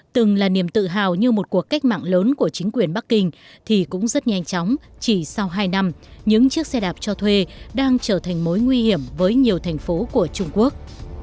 từng là niềm tự hào như một cuộc cách mạng lớn của chính quyền bắc kinh thì cũng rất nhanh chóng chỉ sau hai năm những chiếc xe đạp cho thuê đang trở thành mối nguy hiểm với nhiều thành phố của trung quốc